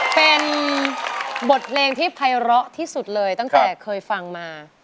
เป็นบทเพลงที่ภัยร้อที่สุดเลยตั้งแต่เคยฟังมา